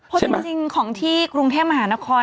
เพราะจริงของที่กรุงเทพมหานคร